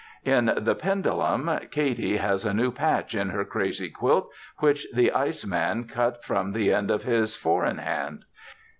In the "Pendulum" Katy has a new patch in her crazy quilt which the ice man cut from the end of his four in hand.